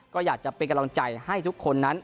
ก็อยากจะเป็นกำลังใจให้ทุกคนนั้น